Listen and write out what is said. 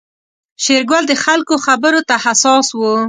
شېرګل د خلکو خبرو ته حساس و.